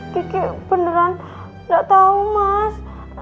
kiki beneran gak tahu mas